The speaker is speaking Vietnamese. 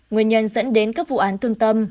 nguyên nhân dẫn đến các vụ án thương tâm